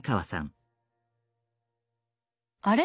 あれ？